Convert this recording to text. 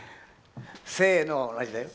「せの」は同じだよ。